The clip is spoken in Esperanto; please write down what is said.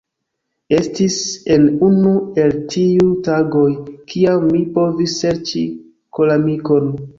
Estis en unu el tiuj tagoj, kiam mi provis serĉi koramikon.